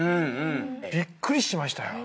びっくりしましたよ。